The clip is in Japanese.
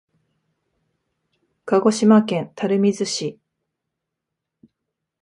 鹿児島県垂水市